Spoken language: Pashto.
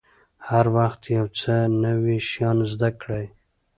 هر وخت یو څه نوي شیان زده کړئ.